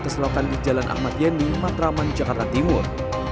terselokan di jalan ahmad yeni matraman jakarta timur